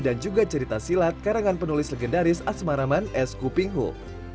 dan juga cerita silat karangan penulis legendaris asmaraman s kupinghul